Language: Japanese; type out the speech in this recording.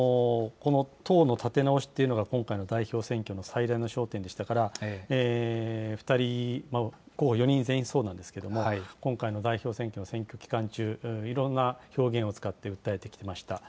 この党の立て直しというのが今回の代表選挙の最大の焦点でしたから、２人、候補４人全員そうなんですけれども、今回の代表選挙の選挙期間中、いろんな表現を使って訴えてきていました。